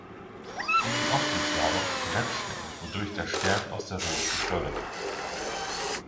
Die Auftriebsladung brennt schnell, wodurch der Stern aus der Röhre geschleudert wird.